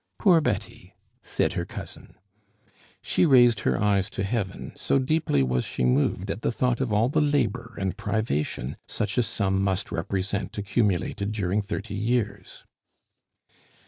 "Poor Betty!" said her cousin. She raised her eyes to heaven, so deeply was she moved at the thought of all the labor and privation such a sum must represent accumulated during thirty years.